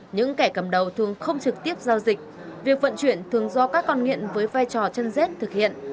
những kẻ cầm đầu thường không trực tiếp giao dịch việc vận chuyển thường do các con nghiện với vai trò chân rết thực hiện